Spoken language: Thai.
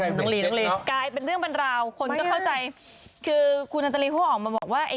นักหลีนักหลีนเป็นเรื่องบรรราวคนเข้าใจคือคุณนาตาลีพูดออกมาบอกว่า